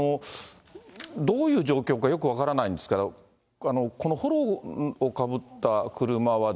どういう状況かよく分からないんですけど、このほろをかぶった車は。